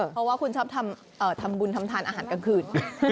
เพราะว่าคุณชอบทำบุญทำทานอาหารกลางคืน